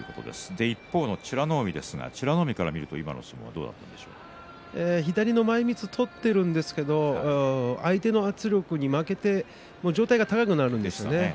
一方、美ノ海は左の前みつを取っているんですけれど相手の圧力に負けて上体が高くなるんですね。